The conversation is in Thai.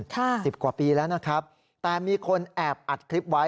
สิบกว่าปีแล้วนะครับแต่มีคนแอบอัดคลิปไว้